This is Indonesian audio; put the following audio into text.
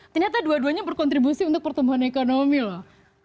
ternyata dua duanya berkontribusi untuk pertumbuhan ekonomi loh